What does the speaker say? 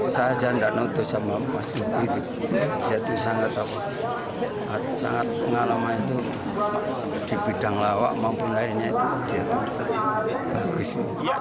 saya jangan nakut sama mas lutfi itu dia itu sangat apa sangat pengalaman itu di bidang lawak maupun lainnya itu dia itu bagus